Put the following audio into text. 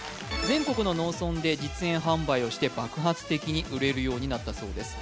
全国の農村で実演販売をして爆発的に売れるようになったそうです